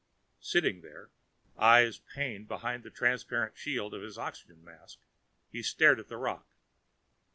Sitting there, eyes pained behind the transparent shield of his oxygen mask, he stared at the rock.